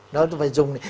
nó phải dùng này